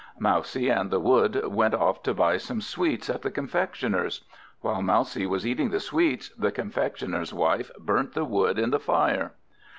Mousie and the Wood went off to buy some sweets at the Confectioner's. While Mousie was eating the sweets, the Confectioner's wife burnt the Wood in the fire.